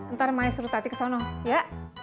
ntar mai suruh tati kesana ya